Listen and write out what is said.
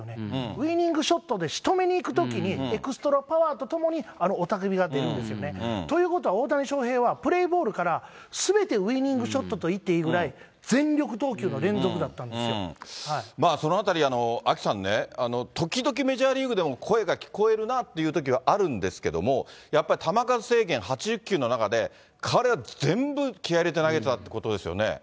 ウイニングショットでしとめにいくときに、エクストロパワーとともに、あの雄たけびが出るんですよね。ということは大谷翔平はプレーボールから、すべてウイニングショットと言っていいくらい、全力投球の連続だまあそのあたり、アキさんね、時々メジャーリーグでも声が聞こえるなあっていうときはあるんですけども、やっぱり球数制限８０球の中で、彼、全部気合い入れて投げてたってことですよね。